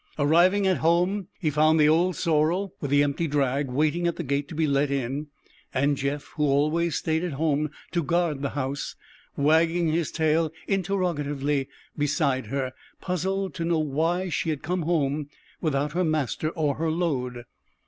Arrived at home, he found the old sorrel, with the empty drag, waiting at the gate to be let in, and Jeff, who always stayed at home to guard the house, wagging his tail interrogatively beside her, puzzled to know why she had come home without her master or her load.